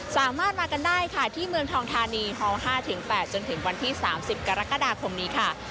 สามารถมากันได้ค่ะที่เมืองทองธานีฮ๕๘จนถึงวันที่๓๐กรกฎาคมนี้ค่ะ